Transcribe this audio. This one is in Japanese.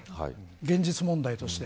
現実問題として。